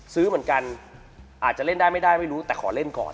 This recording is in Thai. ซื้อเหมือนกันอาจจะเล่นได้ไม่ได้ไม่รู้แต่ขอเล่นก่อน